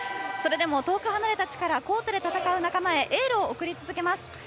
それでも遠く離れた地からコートで戦う仲間へエールを送り続けます。